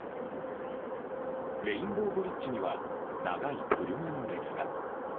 レインボーブリッジには長い車の列が。